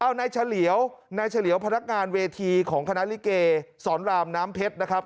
เอานายเฉลียวนายเฉลียวพนักงานเวทีของคณะลิเกสอนรามน้ำเพชรนะครับ